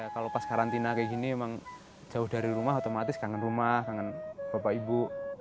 kalau pas karantina kayak gini emang jauh dari rumah otomatis kangen rumah kangen bapak ibu